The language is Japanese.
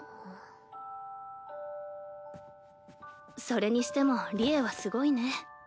それにしても利恵はすごいね。